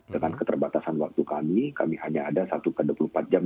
dengan keterbatasan waktu kami kami hanya ada satu ke dua puluh empat jam